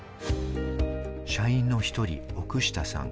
社員の１人、奥下さん。